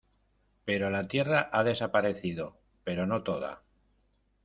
pero la tierra ha desaparecido, pero no toda.